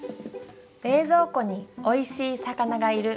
「冷蔵庫においしい魚がいる」。